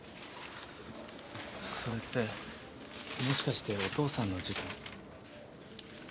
それってもしかしてお父さんの事件？